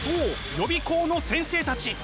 予備校の先生たち。